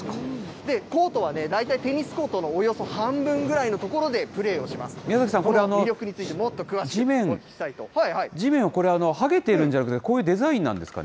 コートは大体テニスコートのおよそ半分ぐらいの所でプレーをしま宮崎さん、これ、地面、地面、これ、剥げているんじゃなくて、こういうデザインなんですかね？